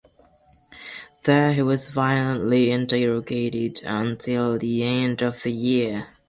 There he was violently interrogated until the end of the year.